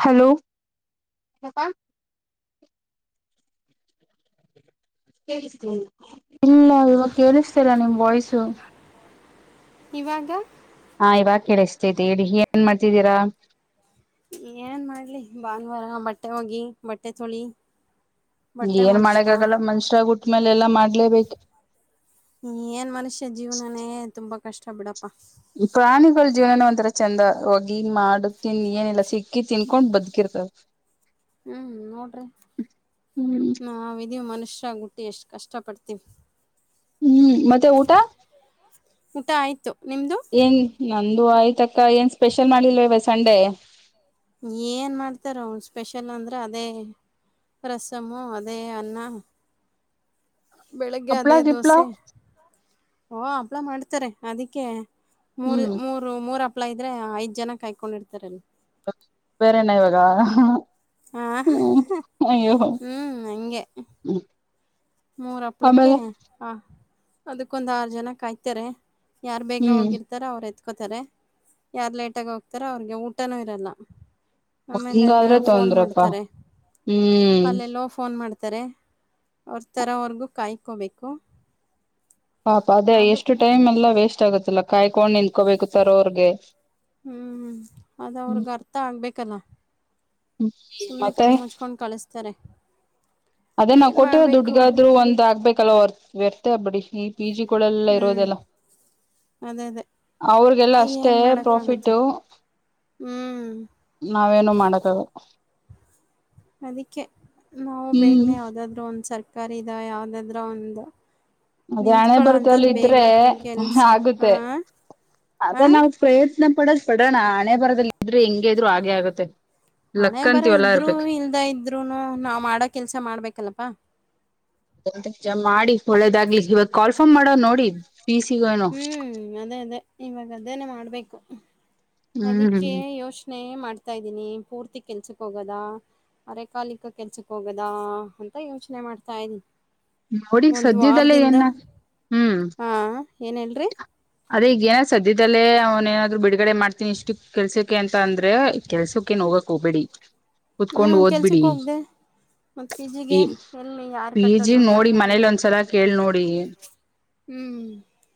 Hello. ಇಲ್ಲ ಇವಾಗ ಕೇಳಿಸ್ತಲ್ಲಾ ನಿಮ್ ವಾಯ್ಸು. ಇವಾಗ. ಹಾ ಇವಾಗ ಕೇಳಿಸ್ತೈತಿದೇ ಹೇಳಿ ಏನ್ ಮಾಡ್ತಿದ್ದೀರಾ. ಏನ್ ಮಾಡ್ಲಿ ಭಾನುವಾರ ಬಟ್ಟೆ ಒಗಿ ಬಟ್ಟೆ ತೋಳಿ. ಏನ್ ಮಾಡಕ್ಕ ಆಗಲ್ಲ ಮಾನ್ಸ್ಯಾರ್ ಆಗಿ ಹುಟ್ಟಿದ್ಮೇಲೆ ಎಲ್ಲಾ ಮಾಡ್ಲೇಬೇಕು. ಏನ್ ಮನುಷ್ಯ ಜೀವನನೇ ತುಂಬಾ ಕಷ್ಟ ಬಿಡಪ್ಪಾ. ಪ್ರಾಣಿಗಳ ಜೀವನ ಒಂಥರ ಚಂದ ಹೋಗಿ ಮಾಡ ತಿನ್ ಏನಿಲ್ಲಾ ಸಿಕ್ಕಿ ತಿನ್. ಕಕೊಂಡ್ ಬದುಕಿರ್ತವೆ. ಹ್ಮ್ ನೋಡ್ರಿ ಹ್ಮ್ ನಾವ ಇದೀವಿ ಮನುಷ್ಯರಾಗಿ ಹುಟ್ಟಿ ಎಷ್ಟ್ ಕಷ್ಟ ಪಡ್ತೀವಿ. ಹ್ಮ್ ಮತ್ತೆ ಊಟ. ಊಟ ಆಯ್ತು ನಿಮ್ದು. ಏನ್ ನಂದು ಆಯ್ತ ಅಕ್ಕ ಏನ್ ಸ್ಪೆಷಲ್ ಮಾಡಿಲ್ವವ ಸಂಡೇ. ಏನ್ ಮಾಡ್ತಾರ ಅವ ಸ್ಪೆಷಲ್ ಅಂದ್ರೆ ಅದೇ. ರಸಮು ಅದೇ ಅನ್ನ. ಬೆಳಿಗ್ಗೆ ಹಪ್ಳ ಅದೇ ಗಿಪ್ಳ ದೋಸೆ. ಓ ಆಪ್ಲೆ ಮಾಡ್ತಾರೆ ಅದಕ್ಕೆ ಮೂರು ಹ್ಮ್ ಮೂರ್. ಇರು ಮೂರ್ ಅಪ್ಲೈ ಇದ್ರೆ ಐದ ಜನ ಕಾಯ್ಕೊಂಡಿರ್ತಾರ ಅಲ್ಲಿ. ಬೇರೆನ ಇವಾಗ. ಹ ಹ್ಮ್ ಅಯ್ಯೋ. ಹ್ಮ್ ಮೂರ ಹಪ್ಳಕ್ಕೆ ಆಮೇಲೆ ಹ ಅದಕ್ಕೊಂದ ಆರು ಜನ ಕಾಯ್ತಾರೆ. ಯಾರು ಬೇಗ ಹ್ಮ್ ಹೋಗಿರ್ತಾರೋ ಅವ್ರು ಎತ್ಕೋತಾರೆ ಯಾರು ಲೇಟಾಗಿ ಹೋಗ್ತಾರ ಅವ್ರಿಗೆ ಊಟನೂ ಇರಲ್ಲ. ಆಮೇಲೆ ಎಲ್ಲ ಹಂಗಾದ್ರೆ ಫೋನ್ ತೊಂದ್ರಪ್ಪಾ ಮಾಡ್ತಾರೆ ಹ್ಮ್ ಅಲ್ಲಿ ಎಲ್ಲೋ. ಫೋನ್ ಮಾಡ್ತಾರೆ ಅವ್ರ ಥರವರ್ಗೂ ಕಾಯ್ಕೋಬೇಕು. ಪಾಪ ಅದೇ ಅದು ಎಷ್ಟು ಟೈಮ್ ಎಲ್ಲ ವೇಸ್ಟ್ ಆಗತ್ತಲ್ಲ ಕಾಯ್ಕೊಂಡ. ಕೋಬೇಕು ತರ ಅವ್ರಗೆ ಹ್ಮ. ಮತ್ತ ಆಗ್ಬೇಕಲ್ಲ ಸುಮನೆ ಮತ್ತೆ ಕಣು ಮುಚ್ಕೊಂಡು ಕಳಿಸ್ತಾರೆ. ಅದೇ ನಾವು ಏನು ಕೊಟ್ಟಿರೋ ಮಾಡಬೇಕು ದುಡ್ಗಾದ್ರು ಒಂದ ಆಗ್ಬೇಕಲ್ ವ್ಯರ್ಥಬಿಡಿ. ಪಿ ಜಿ ಕಳೆಲ್ಲ ಹ್ಞೂ ಇರೋದೆಲ್ಲ. ಅದೇ ಅದೇ ಅವ್ರಿಗೆಲ್ಲ ಅಷ್ಟೇ ಏನು ಪ್ರಾಫಿಟ್. ಮಾಡೋಕ್ಕಾಗುತ್ತೆ ಹ್ಞೂ ನಾವೇನು ಮಾಡಕಾಗಲ. ಅದಕ್ಕೆ ನಾವು ಹ್ಮ್ ಬೇಗನೆ ಯಾವುದಾದ್ರೂ ಒಂದು ಸ್. ಸರಕಾರಿದ ಯಾವ್ದಾದ್ರ ಒಂದು. ಅದೇ ಹಣೆ ನಿಂತ್ಕೊಳ್ಳೋ ಬರದಲ್ಲಿ ಅಂಥದ್ದು ಬೇಗ ಇದ್ರೆ ಕೆಲಸ ಆಗುತ್ತೆ. ಹಾಂ ಅದ ಹಾಂ ನಾವ ಪ್ರಯತ್ನ ಪಡದು ಪಡೋಣ ಹಣೆ ಬರದದಲ್ಲಿ ಇದ್ರೆ ಹೆಂಗೆ ಇದ್ರು ಆಗೆ ಆಗತ್ತೆ. ಹಣೆ ಬರದಲ್ಲಿ ಇದ್ರು ಇಲ್ದ ಇದ್ರುನು ನಾವ್ ಮಾಡೋ ಕೆಲ್ಸ ಮಾಡ್ಬೇಕಲ್ಲಪಾ. ಮಾಡಿ ಒಳ್ಳೆದಾಗ್ಲಿ ಇವಾಗ ಕಾಲ್ಫಾರ್ಮ್ ಮಾಡವ ನೋಡಿ. ಫೀಸಿಗೇನು ಹ್ಮ್ ಅದೇ ಅದೇ ಇವಾಗ ಅದೇನೆ ಮಾಡ್ಬೇಕು ಅದಕ್ಕೆ ಹ್ಮ್ ಯೋಚನೆ. ಚನೆ ಮಾಡ್ತಾ ಇದ್ದೀನಿ ಪೂರ್ತಿ ಕೆಲ್ಸಕ್ ಹೋಗೋದ. ಅರೆ ಕಾಲಿಕ ಕೆಲ್ಸಕ್ ಹೋಗೋದಾ ಅಂತ ಯೋಚನೆ ಮಾಡ್ತಾ ಇದೀನಿ. ನೋಡಿ ಈಗ ಒಂದ್ ಸದ್ಯದಲ್ಲೇ ವಾರದಿಂದ ಏನ ಹ್ಮ್ ಹಾ ಏನ್ ಹೇಳ್ರಿ. ಅದೇ ಈಗ ಸದ್ಯದಲ್ಲೇ ಅವ್ನ ಏನಾದ್ರು ಬಿಡುಗಡೆ ಮಾಡ್ತೀನಿ ಇಷ್ಟು ಕೆಲ್ಸ. ಅಂತ ಅಂದ್ರೆ ಕೆಲ್ಸಕ್ಕೇನ್ ಹೋಗಕ್ ಹೋಗ್ಬೇಡಿ ಕುತ್ಕೊಂಡ್ ಓದ್ಬಿಡಿ ಮತ್ತ ಈ ಪೀಜಿಗೆ ಎಲ್ ಯಾರ್ ಪಿ ಜಿ ಕಟ್ಟೋದು ನೋಡಿ ಯಾರ್ನ್ನ ಮನೇಲಿ ಕೇಳದು ಒಂದ್ಸಲ ಮನೇಲಿ ಕೇಳ್ ಒಂದ್ಸಲ ನೋಡಿ ಕೇಳ ಹ್ಮ್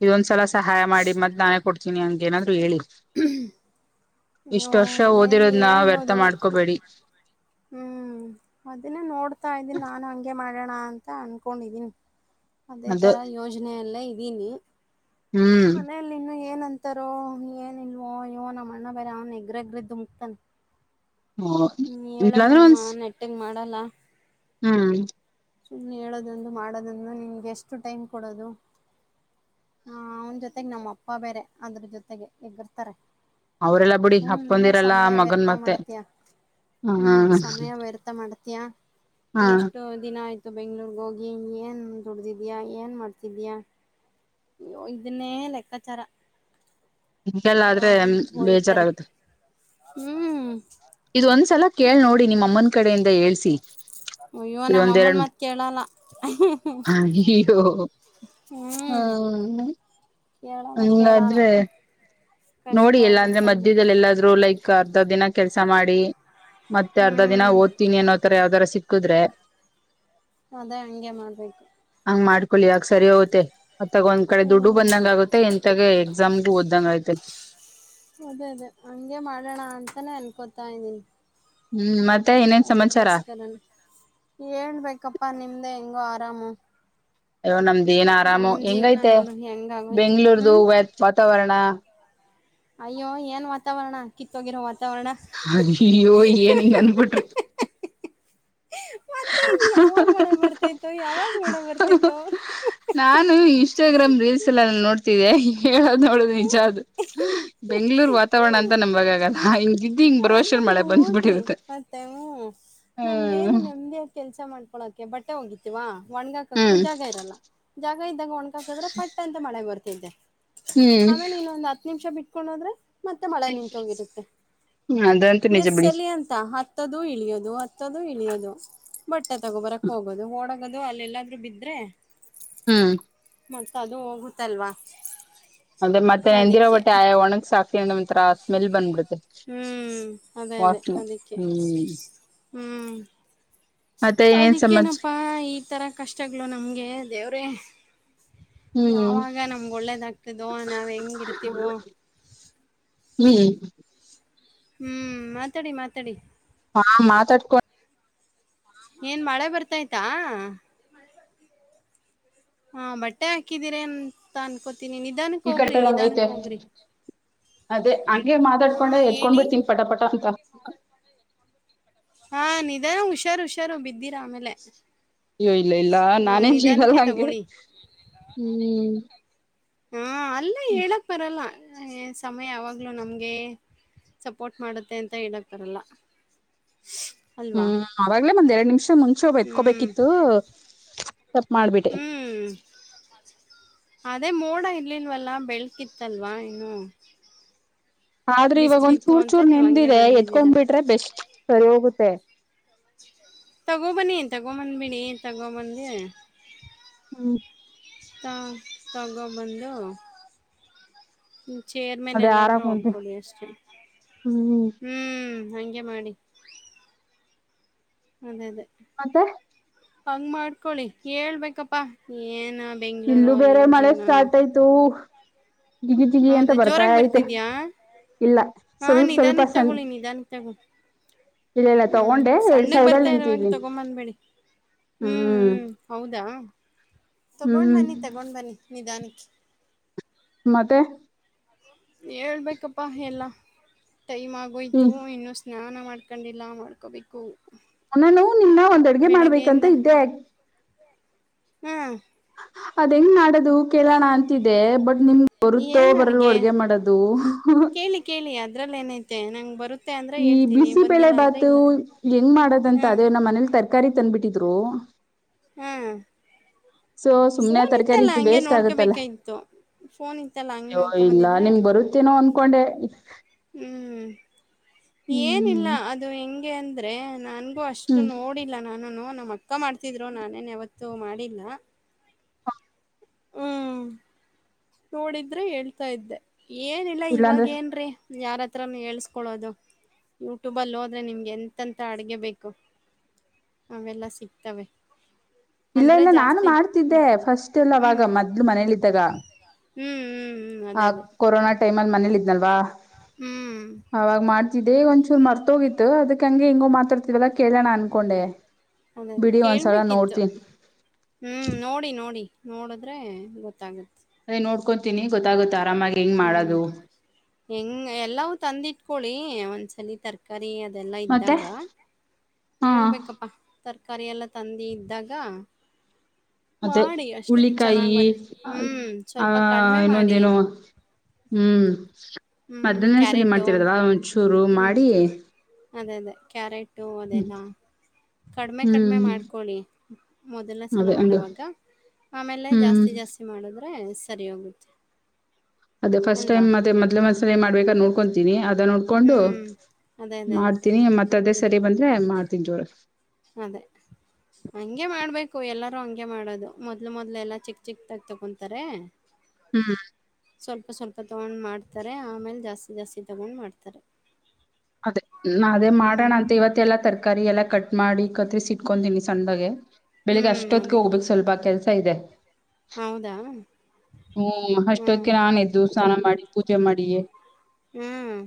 ಇದೊಂದ್ಸಲ ಸಹಾಯ ಮಾಡಿ ಮತ್ತೆ ನಾನೇ ಕೊಡ್ತೀನಿ ಹಂಗಗೆ ಏನಾದ್ರು ಹೇಳಿ ಅಯ್ಯೋ ಇಷ್ಟ ವರ್ಷ ಮನೆಯಲ್ಲಿ ಓದಿರೋದ ನ ವ್ಯರ್ಥ ಹೇಳ್ಬೋದು ಮಾಡ್ಕೋಬೇಡಿ [inaudible] ಅದನ್ನ ನೋಡ್ತಾ ಇದ್ದೀನಿ ನಾನು ಹಂಗೆ ಮಾಡೋಣ ಅಂತ ಅನ್ಕೊಂಡಿದೀನಿ ಅದೇ ಅದ ತರ ಯೋಜನೆ ಎಲ್ಲ ಇದ್ದೀನಿ ಹ್ಮ್ ನಲ್ಲಿ ಇನ್ನು ಏನ್ ಅಂತಾರೋ ಏನ್ ಇಲ್ವೋ ಇವೋ ನಮ್ಮ ಅಣ್ಣ ಬೇರೆ ಅವನ ಎಗ್ರಗ್ರಿ ದುಮುಕ್ತಾನೆ ಹ್ಮ ಇಲ್ಲಾಂದ್ರೆ ಹೇಳದನ್ ಒಂದ ಮಾ ನೆಟ್ಟಿಂಗ್ ಮಾಡಲ್ಲ ಹ್ಮ್ ಸು ಹೇಳೋದಂದು ಮಾಡೋದಂದು ನಿಮ್ಗೆ ಎಷ್ಟು ಟೈಮ್ ಕೊಡೋದು ಹ ಅವನ್ ಜೊತೆಗೆ ನಮ್ಮ ಅಪ್ಪ ಬೇರೆ ಅದ್ರ ಜೊತೆಗೆ ಹೆಗರ್ತಾರೆ ಅವರೆಲ್ಲಾ ಬಿಡಿ ಸುಮನೆ ಅಪ್ಪಂದಿರಲ್ಲ ಸಮಯ ಮಗನ್ ವ್ಯರ್ಥ ಮತ್ತೆ ಮಾಡ್ತಿಯ ಹ್ಮ್ ಹ್ಮ ಸಮಯ ವ್ಯರ್ಥ ಮಾಡ್ತೀಯಾ ಹಾ ಎಷ್ಟು ದಿನ ಆಯತು ಇ ಬೆಂಗ್ಳೂರ್ಗ ಹೋಗಿ ಏನು ದುಡ್ದಿದ್ಯಾಾ ಏನ್ ಮಾಡ್ತಿದೀಯಾ ಅಯ್ಯೋ ಇದನ್ನೇ ಲೆಕ್ಕಾಚಾರ ಹಗೆಲ್ಲ ಆದ್ರೆ ಯಾವಾಗೂ ಬಯ್ತಾರೆ ಬೇಜಾರಾಗುತ್ತೆ ಹ್ಮ್ ಇದ ಒಂದ್ಸಲ ಕೇಳಳ್ ನೋಡಿ ನಿಮ್ಮ ಅಮ್ಮನ ಕಡೆಯಿಂದ ಹೇಳ್ಸಿ ಅಯ್ಯೋ ಇದು ನಮ್ಮ ಒಂದು ಅಮ್ಮನ್ ಇರಡು ಮತ್ ಕೇಳಲ್ಲ ಅಯ್ಯೋ ಹ್ಮ್ ಹ್ಮ ಕೇಳಲ್ಲ ಕೇಳಲ್ಲ ಹಂಗಾದ್ರೆ ಕಷ್ಟ ನೋಡಿ ಎಲ್ಲಾ ಅಂದ್ರೆ ಇರುತ್ತೆ ನಮ್ಗೆ ಮಧ್ಯದಲ್ಲಿ ಎಲ್ಲಾದ್ರೂ ಲೈಕ್ ಅರ್ಧ ದಿನ ಕೆಲ್ಸ ಮಾಡಿ ಮತ್ತೆ ಅರ್ಧ ದಿನ ಹ್ಮ್ ಓದ್ತೀನಿ ಅನ್ನೋತರ ಯಾವ್ದಾರ ಸಿಕ್ಕುದ್ರೆ ಅದೇ ಹಂಗೆ ಮಾಡ್ಬೇಕು ಹಂಗ್ ಮಾಡ್ಕೊೊಳ್ಳಿ ಯಗ ಸರಿ ಹೋಗತ್ತೆ ಮತ್ತಾಗ ಒಂದ್ ಕಡೆ ದುಡ್ಡು ಹ್ಮ್ ಬಂದಂಗ ಆಗುತ್ತೆ ಜಾಗ ಎಕ್ಸಾಮ್ಗೆು ಓದ್ದಂಗ ಆಗತೈತಿ ಅದೇ ಅದೇ ಹಂಗೆ ಮಾಡೋಣ ಅಂತಾನೇ ಅನ್ಕೋತಾ ಇದ್ದೀನಿ ಹ್ಮ್ ಮತ್ತೆ ಇನೇನ್ ಸಮಾಚಾರ ಅದಕ್ಕೋಸ್ಕರನೇ ಹೇಳ್ಬೇಕಪ್ಪಾ ನಿಮ್ದೇ ಹೆಂಗೋ ಆರಾಮು ಅಯ್ಯೋ ನಮ್ದ ಏನ್ ಆರಾಮು ನಮ್ ಜೀವನ ಹೆಂಗೈತೆ ನೋಡು ಹೆಂಗಾಗೋಯ್ತು ಬೆಂಗ್ಳೂರ್ದು ಹ್ಮ್ ವ ವಾತಾವರಣ [inaudible] ಅಯ್ಯೋ ಏನ್ ವಾತಾವರಣ ಕಿತ್ತೋಗಿರೋ ವಾತಾವರಣ ಅ ಅಯ್ಯೋ ಏನಹಿಂಗ ಅನ್ಬಿಟ್ರಿ ಮತ್ತೆ ಇದ ಯಾವಾಗ ಮಳೆ ಬರ್ತೈತೋ ಯಾವಾಗ್ ಮೊಡ ಬರ್ತೈತೋ ನಾನು ಇನ್ಸ್ಟಾಗ್ರಾಮ್ ರೀಲ್ಸ್ ಎಲ್ಲ ನೋಡ್ತಿದ್ದೆ ಹೇಳದು್ ನೋಡುದು ನಿಜ ಅದು ಬೆಂಗ್ಳೂರ್ ವಾತಾವರಣ ಹ್ಮ್ ಅಂತ ನಮಾಗ ಆಗಲ್ಲ ಹಿಂಗ್ ಬಿದ್ದಿ ಹಿಂಗ್ ಅದ ಬರುವಷ ಮಳೆ ನೋಡ್ರಿ ಬಂದ್ಬಿಟ್ಟಿರುತ್ತೆ ಮತ್ತೆ ಹ ನಮ್ಗೇನು ಹ್ಮ್ ನೆಮ್ಮ ಕೆಲ್ಸ ಮಾಡ್ಕೊಳಕಕ್ಕೆ ಬಟ್ಟೆ ಹೋಗಿತಿವಾ ಒಣ್ಗಾಕಕ್ಕೆ ಹ್ಮ್ ಜಾಗ ಇರಲ್ಲ ಜಾಗ ಇದ್ದಾಗ ಒಣ್ಗ ್ರೆ ಪಟ್ಟ ಅಂತ ಮಳೆ ಬರ್ತಿದ್ದೆ ಹ್ಮ್ ಆಮೇಲೆ ಇನ್ನೊಂದ್ ಹತ್ ನಿಮಿಷ ಬಿಟ್ಕೊಂಡೋದ್ರೆ ಮತ್ತೆ ಮಳೆ ನಿಂತೋಗಿರುತ್ತೆ ಅದಂತೂ ನಿಜ ಎಸ್ ಬಿಡಿ ಅಲ್ಲಿ ಅಂತ ಹತ್ತದು ಇಳಿಯೋದು ಹತ್ತದು ಇಳಿಯೋದು ಬಟ್ಟೆ ತಗೋಬರಕ್ ಹೋಗೋದು ಓಡ ಅದು ಅಲ್ಲೆಲ್ಲಾದ್ರೂ ಬಿದ್ರೆ ಹ್ಮ್ ಮತ್ತೆ ಅದು ಹೋಗುತ್ತಲ್ವಾ ಅಂದ್ರೆ ಮತ್ತೆ ನೆಂದಿರೋ ಅದಕ್ಕೆ ಒಟ್ಟೆ ಆ ಒಣಗಕ್ ಸಾಕಲಿ ಅ ಒಂರ ಸ್ಮೆಲ್ ಬಂದ್ಬಿಡುತ್ತೆ ಹ್ಮ್ ಅದೇ ಅದೇ ವಾಸನೆ ಅದಿಕ್ಕೆ ಹ್ಮ್ ಹ್ಮ್. ಮತ್ತೆ ಏನೇನ್ ಸಮಾಚ ಅದಕ್ಕೇನಪ್ಪಾ ಈ ತರ ಕಷ್ಟಗ್ಗಳು ನಮ್ಗೆ ದೇವ್ರೇ. ಹ್ಮ್ ಯಾವಾಗ ನಮ್ಗ್ ಒಳ್ಳೇದಾಗಗ್ತದೋ ನಾವ್ ಹೆಂಗ ಇರ್ತಿವೋ. ಹ್ಮ್ ಹ್ಮ್ ಮಾತಾಡಿ ಮಾತಾಡಿ. ಹಾ ಮಾತಾಡ್ಕೊ ಏನ್ ಮಳೆ ಬರ್ತಾಯ್ತಾ? ಹಾ ಬಟ್ಟೆ ಹಾಕಿದೀರ ಅಂತ ಅನ್ಕೋತೀನಿ ನಿಧಾನಕ್ ಈ ಹೋಗ್ರಿ ಕಟ್ಟೆ ನಿಧಾನಕ್ ಒಂದೈತೆ ಹೋಗ್ರಿ. ಅದೇ ಹಂಗೆ ಹಾ ಮಾತಾಡ್ಕೊಂಡೆ ಎತ್ಕೊಂಡ್ ಹೇಳಿ ಬಿರ್ತೀನಿ ಪಟಾಪಟ ಅಂತ. ಹಾ ನಿಧಾನ ಹುಷಾರು ಹುಷಾರು ಬಿದ್ದಿರಾ ಆಮೇಲೆ. ಏ ಇಲ್ಲ ಇಲ್ಲ ಹ ನಾನೇನ್ ಬಿಳಲ್ಲ ನಿಧಾನಕ್ಕೆ ಹಂಗೆ ತಗೊಳ್ಳಿ ಹ್ಮ್. ಹಾ ಅಲ್ ಹ್ಮ್ ಬರಲ್ಲ ಎ ಸಮಯ ಯಾವಾಗ್ಲುೂ ನಮ್ಗೆ ಸಪೋರ್ಟ್ ಮಾಡುತ್ತೆ ಅಂತ ಹೇಳಕ್ ಬರಲ್ಲ. [inaudible] ಅಲ್ವಾ ಹ್ಮ್ ಅವಾಗ್ಲೇ ಒಂದ್ ಎರಡ್ ನಿಮಿಷ ಮುಂಚೆ ಒ ಹ್ಮ್ ಎತ್ಕೋಬೇಕಿತ್ತು ತಪ್ ಮಾಡ್ಬಿಟ್ಟೆ. ಹ್ಮ್ ಅದೇ ಮೋಡ ಇರ್ಲಿಲ್ವಲ್ಲ ಬೆಳ್ಕಿತ್ತಲ್ವಾ ಇನ್ನು. ಆದ್ರೆ ಇವಾಗ ಒಂದ್ ಬಿಸ್ಲಿತ್ತು ಚೂರ್ ಅಂತ ಚೂರ್ ನೀವ್ ಹಂಗೆ ನಿಂತಿದೆ ಬಂದಿದ್ದೀರಾ ಎತ್ಕೊಂಡ್ ಬಿಟ್ರೆ ಬೆಸ್ಟ್, ಸರಿ ಹೋಗುತ್ತೆ. ತಗೋಬನ್ನಿ ತಗೊಬಂದ್ಬಿಡಿ ತಗೊಬಂದಿ ಹ್ಮ್ ಹಾಂ ತಗೊಬಂದು ಹಂ ಚೇರ್ ಮೇಲೆ ಅದೇ ಆರಾಮ್ ಎಲ್ಲಾದ್ರೂ ಉಂಟು ಹಾಕ್ಕೊಳ್ಳಿ ಅಷ್ಟೇ. ಹ್ಮ್ ಹ್ಮ್ ಹಂಗೆ ಮಾಡಿ. ಅದೇ ಅದೇ. ಮತ್ತೆ ಹಂಗ ಮಾಡ್ಕೊಳ್ಳಿ, ಹೇಳ್ಬೇಕಪ್ಪಾ ಏನ್ ಇಲ್ಲೂ ಬೆಂಗಳೂರು ಬೇರೆ ಏನ್ ಮಳೆ ಜೀವ್ನಾನೊ. [inaudible] ಜಿಗಿ ಜಿಗಿ ಅಂತ ಹೌದಾ ಬರ್ತಾ ಜೋರಾಗಿ ಐತೆ ಬರ್ತಿದ್ಯಾ? ಇಲ್ಲ ಹಾ ಸ್ವಲ್ಪ ಸ್ವಲ್ಪ ನಿಧಾನಕ್ಕ್ ಸಣ್ಣ ತಗೊಳ್ಳಿ ನಿಧಾನಕ್ ತಗೋ ಇಲ್ಲ ಇಲ್ಲ ಹ್ಮ್ ತಗೊಂಡೆ ಎರಡ್ ಸಣ್ಣಗ್ ಸೈಡ್ ಬರ್ತಾ ಅಲ್ಲಿ ಇರವಾಗೆ ನಿಂತಿದ್ವಿ ತಗೊಂಬಂದ್ಬಿಡಿ ಹ್ಮ್ ಹ್ಮ್. ಹೌದಾ ತಗೊಂಡು ಹ್ಮ್ ಬನ್ನಿ ತಗೊಂಡು ಬನ್ನಿ ನಿಧಾನಕ್ಕೆ. ಮತ್ತೆ ಹೇಳ್ಬೇಕಪ್ಪಾ ಎಲ್ಲ ಟೈಮ್ ಹ್ಮ್ ಆಗೋಯ್ತು ಇನ್ನು ಸ್ನಾನ ಮಾಡ್ಕೊಂಡಿಲ್ಲ ಮಾಡ್ಕೋಬೇಕು. ನಾನು ನಿನ್ನೆ ಒಂದ್ ಅಡ್ಗೆ ಮಾಡ್ಬೇಕಂತ ಇದ್ದೆ. ಹ್ಮ. ಅದ್ ಹೆಂಗ್ ಮಾಡದು ಕೇಳೋಣ ಅಂತಿದೆ ಬಟ್ ನಿಮ್ ಬರುತ್ತೋ ಬರಲ್ವೋ ಅಡ್ಗೆ ಮಾಡೋದು. ಕೇಳಿ ಕೇಳಿ ಅದ್ರಲ್ಲಿ ಏನೈತೆ ನಂಗೆ ಬರುತ್ತ್ ಈ ಬಿಸಿಬೇಳೆ ಬಾತು ಹೆಂಗ್ ಮಾಡದಂತ ಹಾ ಅದೇ ನಮ್ಮ್ ಮನೇಲಿ ತರಕಾರಿ ತಂದ್ಬಿಟ್ಟಿದ್ರು. ಹ್ಮ ಸೊ ಸುಮ್ನೆ ಫೋನ್ ತರಕಾರಿ ಇತ್ತಲ್ಲ ಇದು ಹಂಗೆ ವೇಸ್ಟ್ ಆಗತ್ತಲ್ಲ ನೋಡ್ಕೋಬೇಕಾಗಿತ್ತು. ಫೋನ್ ಇತ್ತಲ್ಲ ಹಂಗ್ ಅಯ್ಯೋ ನೋಡ್ಕೊ ಇಲ್ಲ ಬಂದಿದ್ರೆ. ನಿಮ್ಗ್ ಬರುತ್ತೇನೋ ಅನ್ಕೊಂಡೆ. ಹ್ಮ್ ಏನಿಲ್ಲ ಹ್ಮ್ ಅದು ಹೆಂಗೆ ಅಂದ್ರೆ ನನ್ಗೂ ಅಷ್ಟ್ ಅಷ್ಟು ಹ್ಮ್ ನೋಡಿಲ್ಲ ನಾನುನು ನಮ್ಮ ಅಕ್ಕ ಮಾಡ್ತಿದ್ರು ನಾನೇನ್ ಯಾವತ್ತುೂ ಮಾಡಿಲ್ಲ ಹ್ಮ್ ನೋಡಿದ್ರೆ ಹೇಳ್ತಾ ಇದ್ದೆ ಏನಿಲ್ಲ ಇವಾಗ ಇಲ್ಲಾಂದ್ರೆ ಏನ್ರೀ ಯಾರ ಹತ್ರನು ಹೇಳ್ಸ್ಕೊೊಳ್ಳೋದು ಯೂಟ್ಯೂಬಲ್ಲಿ ಹೋದ್ರೆ ನಿಮ್ಗೆ ಎಂತಂತ ಅಡ್ಗೆ ಬೇಕು ಅವೆಲ್ಲ ಸಿಗ್ತವೆ ಇಲ್ಲ ಅಂದ್ರೆ ಇಲ್ಲ ನಾನು ಜಾಸ್ತಿ ಮಾಡ್ತಿದ್ದೆ ಹ್ಮ್ ಫಸ್ಟ್ ಎಲ್ಲ ಅವಾಗ ಮದ್ಲು ಮನೇಲಿ ಇದಿದ್ದಾಗ ಹ್ಮ್ ಹ್ಮ್ ಹ್ಮ್ ಆ ಅದೇ ಅದೇ ಕೊರೋನಾ ಟೈಮ್ ಅಲ್ಲಿ ಮನೇಲಿ ಇದ್ನಲ್ವಾ ಹ್ಮ್ ಅವಾಗ ಮಾಡ ಇದೇ ಒಂದ್ಚೂರು ಮರ್ತೋಗಿತ್ತು ಅದಕ್ ಹಂಗೆ ಹಿಂಗೋಗ ಮಾತಾಡ್ತವಲ್ಲ ಕೇಳೋಣ ಅನ್ಕೊಂಡೆ ಅದದೇ ಬಿಡಿ ಒಂದ್ಸಲ ಕೇಳ್ಬೇಕಿತ್ತು ನೋಡ್ತೀನಿ ಹ್ಮ್ ನೋಡಿ ನೋಡಿ ನೋಡಿದ್ರೆ ಗೊತ್ತಾಗುತ್ತೆ ಅದ ನೋಡ್ಕೊತಿನಿ ಗೊತ್ತಾಗುತ್ತ ಆರಾಮಾಗಿ ಹೆಂಗ್ ಹ್ಮ್ ಮಾಡೋದು ಹೆಂಗ್ ಎಲ್ಲವುೂ ತಂದಿಟ್ಕೊೊಳ್ಳಿ ಒಂದ್ಸಲ ತರ್ಕಾರಿ ಕರಿ ಅದೆಲ್ಲ ಮತ್ತೆ ಇದ್ದಾಗ ಹಾ ಹೇಳ್ಬೇಕಪ್ಪಾ ತರಕಾರ ಎಲ್ಲ ತಂದುಿ ಇದ್ದಾಗ ಮತ್ತೆ ಮಾಡಿ ಅಷ್ಟೆ ಚೆನ್ನಾಗ್ ಹುಳ್ಳಿಕಾಯಿ ಬರ ಹ್ಮ್ ಆ ಸ್ವಲ್ಪ ಕಡಿಮೆ ಮಾಡಿ. ಇನ್ನೊಂದೇನುೋ ಹ್ಮ್ ಹ್ಮ್ ಮಧ್ಯಾಹ್ನ ಸಲಿ ಕ್ಯಾರೆಟು ಮಾಡ್ತಿರದಲ್ಲ ಒಂಚೂರು ಹ್ಮ್ ಮಾಡಿ ಅದೇ ಅದೇ ಕ್ಯಾರೆಟು ಅದೆಲ್ಲ ಕಡಿಮೆ ಕಡಿಮೆ ಹ್ಮ್ ಮಾಡ್ಕೊಳ್ಳಿ ಮೊದಲನೇ ಸಲ ಅದೇ ಹಂಗೆ ಮಾಡವಾಗ ಆಮೇಲೆ ಹ್ಮ್ ಜಾಸ್ತಿ ಜಾಸ್ತಿ ಮಾಡಿದ್ರೆ ಸರಿ ಹೋಗುತ್ತೆ ಅದೇಫಸ್ಟ್ ಟೈ್ ಅಲ್ವಾ ಮತ್ತೆ ಮದ್ಲೆ ಮಸ ಮಾಡಬೇಕಾೋ ಕೊತೀನಿ ಅದ ನಡ್ಕೊಂಡು ಹ್ಮ್ ಅದೇ ಅದೇ ಅದೇ ಮಾಡ್ತೀನಿ ಮತ್ತತ್ ಅದೇ ಸರಿ ಬಂದ್ರೆ ಮಾಡ್ತೀನಿ ಜೋರ ಅದೇ ಹಂಗೆ ಮಾಡ್ಬೇಕು ಎಲ್ಲಾರೂ ಹಂಗೆ ಮಾಡೋದು ಮೊದ್ಲು ಮೊದ್ಲು ಎಲ್ಲಾ ಚಿಕ್ ಚಿಕ್ತಾಗ ತಕೊಂತಾರೆ ಹ್ಮ್ ಸ್ವಲ್ಪ ಸ್ವಲ್ಪ ತಗೊಂಡ್ ಮಾಡ್ತಾರೆ ಆಮೇಲೆ ಜಾಸ್ತಿ ಜಾಸ್ತಿ ತಗೊಂಡ್ ಮಾಡ್ತಾರೆ ಅದೇ ನಾ ಅದೇ ಮಾಡೋಣ ಹ್ಮ್ ಅಂತ ಇವತ್ತ ಎಲ್ಲಾ ತರಕಾರಿ ಎಲ್ಲಾ ಕಟ್ ಮಾಡಿ ಕತ್ರಿಸ್ ಇಟ್ಕೊತೀನಿ ಸಣ್ಣಗೆ ಬೆಳಿಗ್ಗೆ ಹ್ಮ್ ಅಷ್ಟೊತ್ತಿಗೆ ಅದೇ ಹೋಗ್ಬೇಕಕ್ ಸ್ವಲ್ಪ ಕೆಲ್ಸ ಇದೆ ಹೌದಾ ಹ್ಮ ಹ್ಮ್ ಅಷ್ಟಕಿ ನಾನಿದ್ದು ಸ್ನಾನ ಮಾಡಿ ಪೂಜೆ ಮಾಡಿಯೇ ಹ್ಮ್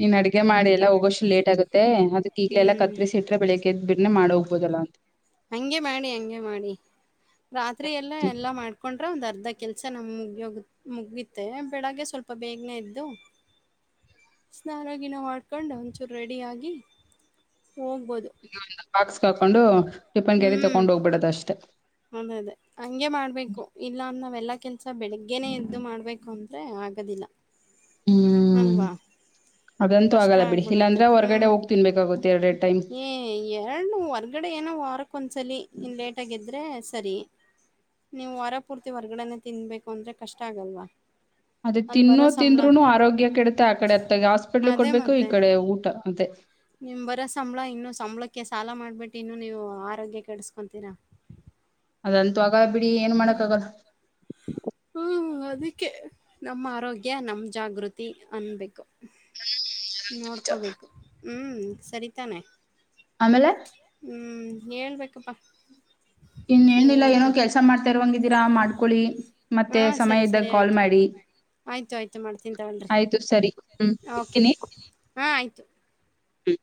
ನೀನ್ ಅಡ್ಗೆ ಮಾಡಿ ಎಲ್ಲ ಹೋಗೋಷ್ಟು ಲೇಟ್ ಆಗುತ್ತೆ ಅದಕ್ಕೆ ಈಗ್ಲೆಲ್ಲ ಹ್ಮ್ ಕತ್ರಿಸಿಸಿ ಇ ಬೆಳಗ್ದ ಬಿನೆ ಮಾಡ ಹೋಗ್ಬುದದಲ್ಲ ಅಂತ ಹಂಗೆ ಮಾಡಿ ಹಂಗೆ ಮಾಡಿ ರಾತ್ರಿ ಎಲ್ಲ ಎಲ್ಲಾ ಮಾಡ್ಕೊಂಡ್ರೆ ಒಂದ್ ಅರ್ಧ ಕೆಲ್ಸ ನಮ್ ಮುಗೋಗ ಮುಗಿತೆ ಬೆಳಗ್ಗೆ ಸ್ವಲ್ಪ ಪಪ್ಪ ಬೇಗನೆ ಇದ್ದು [inaudible] ಸ್ನಾನಗಿನ ಮಾಡ್ಕೊಂಡು ಒಂಚೂರು ರೆಡಿಯಾಗಿ ಹೋಗ್ಬೋದು ಒ ಬಾಕ್ಸ್ ಹಾಕೊಂಡು ಟಿಪನ್ ಕ್ಯರಿ ತಕೊಂಡು ಹೋಗ್ಬಿಡದ ಅಷ್ಟೇ ಅೌದ ಅದೇ ಹಂಗೆ ಮಾಡ್ಬೇಕು ಇಲ್ಲ ಅಂದ ನಾವ್ ಎಲ್ಲಾ ಕೆಲ್ಸ ಬೆಳಿಗ್ಗೆನೆ ಎದ್ದು ಮಾಡ್ಬೇಕು ಅಂತ ಮತ್ತೆ ಆಗದಿಲ್ಲ ಹ್ಮ್ ಅಲ್ವಾ ಅದಂತೂ ಕಷ್ಟ ಆಗಲ್ಲ ಬಿಡಿ ಆಗ್ಬಿಡುತ್ತೆ ಇಲ್ಲಾಂದ್ರೆ ಹೊರಗಡೆ ಹ್ಮ್ ಹೋಗ್ ತಿನ್ಬೇಕಾಗುತ್ತೆ ಎರಡೆರಡು ಟೈಮ್ ಏ ಎ ಹೊರ್ಗಡೆ ಏನೋ ವಾರಕ್ಕ ಒಂದ್ಸಲ ಇನ್ನು ಲೇಟಾಗಿದ್ರೆ ಸರಿ ನೀವು ವಾರ ಪೂರ್ತಿ ಹೊರ್ಗಡೆನೆ ತಿನ್ಬೇಕು ಅಂದ್ರೆ ಕಷ್ಟ ಆಗಲ್ವಾ ಅದೇ ಅಲ್ಲಿ ತಿನ್ನೋ ಬರೋ ಸಂಬಳ ತಿಂದ್ರುನು ಆರೋಗ್ಯ ಕೆಡುತ್ತೆ ಆ ಕಡೆ ಅತ್ತ ಹಾಸ್ಪಿಟ್ಲ್ ಅದೇ ಕೊಡ್ಬೇಕು ಈ ಮತ್ತೆ ಕಡೆ ಊಟ ಅದೇ ನಿಮ್ ಬರೋ ಸಂಬಳ ಇನ್ನು ಸಂಬಳಕ್ಕೆ ಸಾಲ ಮಾಡ್ಬಿಟ್ಟು ಇನ್ನು ನೀವು ಆರೋಗ್ಯ ಕೆಡಸ್ಕೊತೀರಾ ಅದಂತೂ ಆಗ ಬಿಡಿ ಏನ್ ಮಾಡಕ್ಕ ಆಗಲ್ಲ ಹ್ಮ ಹ ಅದಕ್ಕೆ ನಮ್ಮ ಆರೋಗ್ಯ ನಮ್ಮ ಜಾಗೃತಿ ಅನ್ಬೇಕು ನೋಡ್ಕೋಬೇಕು ಹ್ಮ್ ಸರಿತಾನೆ ಆಮೇಲೆ ಹ್ಮ್ ಹೇಳ್ಬೇಕಪ್ಪಾ ಇನ್ನ ಏನಿಲ್ಲ ಏನೋ ಏನೈತೆ ಕೆಲ್ಸ ಮಾಡ್ತಾ ಇರ್ವಂಗಿದ್ದೀರಾ ಮಾಡ್ಕೊಳ್ಳಿ ಮತ್ತೆ ಹಾ ಸರಿ ಸಮಯ ಇದ್ದಾಗ ಸರಿ ಕಾಲ್ ಆಯ್ತು ಮಾಡಿ ಆಯ್ತು ಆಯ್ತು ಮಾಡ್ತೀನಿ ತಗಳರಿ ಆಯ್ತು ಸರಿ ಹ್ಮ್ ಓಕೆ ಇಡ್ತೀನಿ ಹಾ ಆಯ್ತು ಹ್ಮ್.